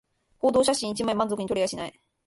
報道写真一枚満足に撮れはしない